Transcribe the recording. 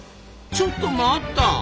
ちょっと待った！